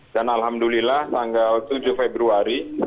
alhamdulillah tanggal tujuh februari